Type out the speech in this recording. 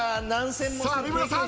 さあ三村さん